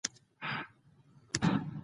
د پولادو تراکم ته واضح او روښانه اشاره شوې وه